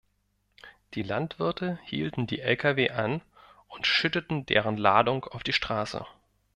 Die Landwirte hielten die Lkw an und schütteten deren Ladung auf die Straße.